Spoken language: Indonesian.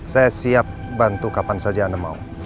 saya siap bantu kapan saja anda mau